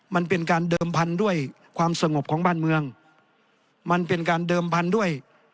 มันเป็นการเดิมพันธุ์ด้วยความสงบของบ้านเมืองมันเป็นการเดิมพันธุ์ด้วย